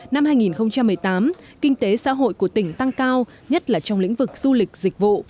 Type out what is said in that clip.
năm hai nghìn một mươi tám kinh tế xã hội của tỉnh tăng cao nhất là trong lĩnh vực du lịch dịch vụ